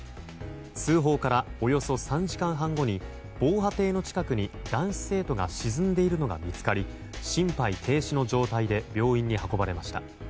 通報からおよそ３時間半後に防波堤の近くに男子生徒が沈んでいるのが見つかり心肺停止の状態で病院に運ばれました。